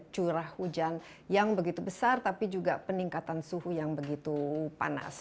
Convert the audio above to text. curah hujan yang begitu besar tapi juga peningkatan suhu yang begitu panas